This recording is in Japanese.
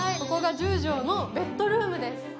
ここが１０畳のベッドルームです。